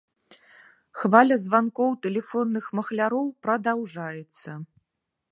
Хваля званкоў тэлефонных махляроў прадаўжаецца.